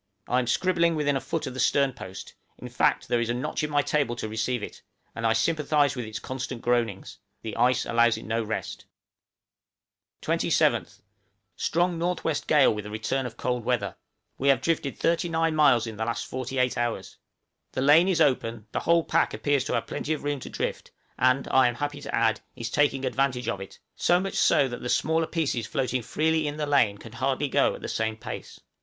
I am scribbling within a foot of the sternpost in fact, there is a notch in my table to receive it; and I sympathize with its constant groanings; the ice allows it no rest. 27th. Strong N.W. gale with a return of cold weather. We have drifted 39 miles in the last forty eight hours! The lane is open; the whole pack appears to have plenty of room to drift, and, I am happy to add, is taking advantage of it, so much so that the smaller pieces floating freely in the lane can hardly go at the same pace.